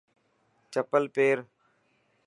چپل پير.